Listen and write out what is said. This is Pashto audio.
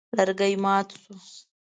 لرګی مات شو.